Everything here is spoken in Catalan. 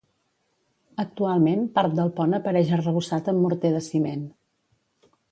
Actualment part del pont apareix arrebossat amb morter de ciment.